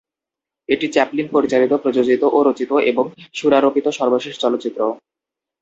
এটি চ্যাপলিন পরিচালিত, প্রযোজিত ও রচিত এবং সুরারোপিত সর্বশেষ চলচ্চিত্র।